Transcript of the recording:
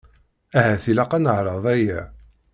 Ahat ilaq ad neεreḍ aya.